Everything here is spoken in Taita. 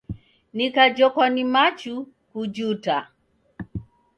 Nikajhokwa ni machu, kujuta!